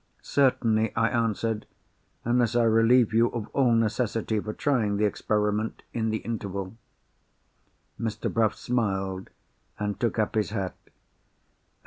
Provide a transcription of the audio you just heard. "Certainly," I answered—"unless I relieve you of all necessity for trying the experiment in the interval." Mr. Bruff smiled, and took up his hat.